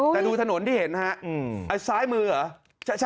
แต่ดูทะหนดที่เห็นหรือคะซ้ายมือเหรอ